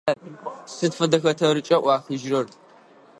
Сыд фэдэ хэтэрыкӏа ӏуахыжьырэр?